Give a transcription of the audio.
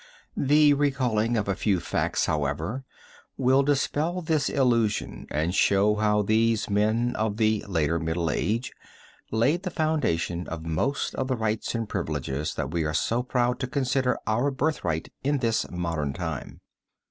The recalling of a few facts, however, will dispel this illusion and show how these men of the later middle age laid the foundation of most of the rights and privileges that we are so proud to consider our birthright in this modern time.